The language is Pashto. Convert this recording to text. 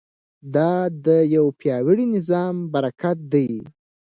دا د یو پیاوړي نظام برکت دی.